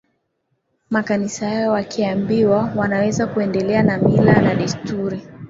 makanisa yao wakiambiwa wanaweza kuendelea na mila na desturi